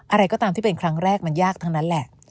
อะไรก็ตามที่เป็นครั้งแรกมันยากทั้งนั้นแหละ